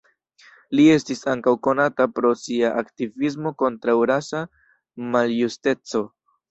Li estis ankaŭ konata pro sia aktivismo kontraŭ rasa maljusteco.